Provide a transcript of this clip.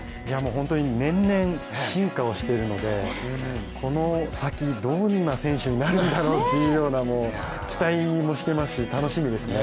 本当に年々進化をしているので、この先、どんな選手になるんだろうっていうような期待もしてますし楽しみですね。